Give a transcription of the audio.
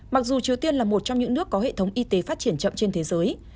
mặc dù triều tiên là một trong những nước có hệ thống y tế phát triển chậm trên thế giới